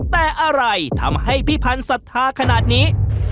แต่อะไรทำให้พี่พันธ์ศรัทธาขนาดนี้